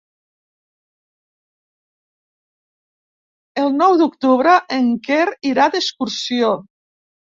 El nou d'octubre en Quer irà d'excursió.